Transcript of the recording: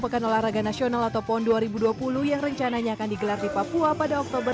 pekan olahraga nasional atau pon dua ribu dua puluh yang rencananya akan digelar di papua pada oktober